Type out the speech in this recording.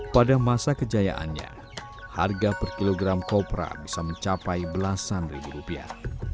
pada masa kejayaannya harga per kilogram kopra bisa mencapai belasan ribu rupiah